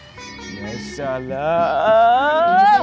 ya salam antum begitu aja mesti diajarin